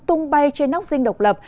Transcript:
tung bay trên nóc dinh độc lập